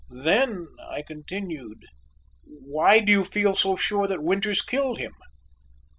"Then," I continued, "why do you feel so sure that Winters killed him?"